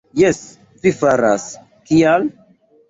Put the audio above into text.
Jes, vi faras; kial?